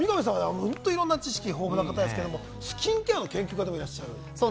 いろんな知識が豊富な方ですが、スキンケアの研究家でもいらっしゃる？